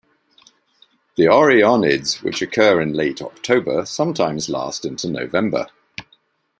The Orionids, which occur in late October, sometimes last into November.